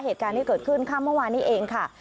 เหตุการณ์ที่เกิดขึ้นข้ามเมื่อวานนี้เองค่ะ